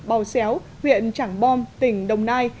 bào xéo huyện trảng bom tỉnh đồng nai